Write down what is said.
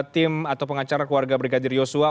tim atau pengacara keluarga brigadir yosua